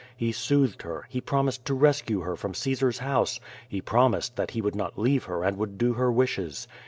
He soothed her, he promised to rescue her from Caesar's house, he promised that he would not leave her and would do her wishes.